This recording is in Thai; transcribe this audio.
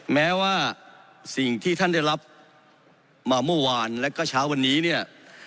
แม้ว่าสิ่งที่ท่านได้รับมาเมื่อวานแล้วก็เช้าวันนี้เนี่ย